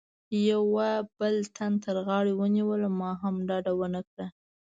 یوه بل تن تر غاړې ونیولم، ما هم ډډه و نه کړه.